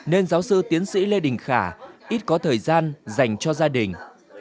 nên giáo sư tiến sĩ lê đình khả ít có thời gian dành cho gia đình